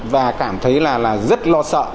và cảm thấy là rất lo sợ